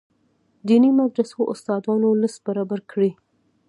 دیني مدرسو استادانو لست برابر کړي.